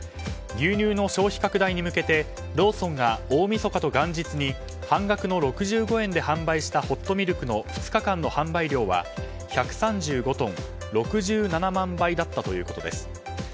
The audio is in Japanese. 牛乳の消費拡大に向けてローソンが大みそかと元日に半額の６５円で販売したホットミルクの２日間の販売量は１３５トン６７万杯だったということです。